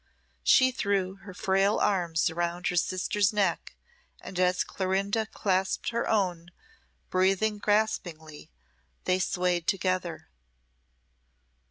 She threw her frail arms round her sister's neck, and as Clorinda clasped her own, breathing gaspingly, they swayed together.